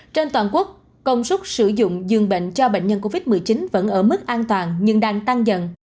trên toàn quốc công suất sử dụng dường bệnh cho bệnh nhân covid một mươi chín vẫn ở mức an toàn nhưng đang tăng dần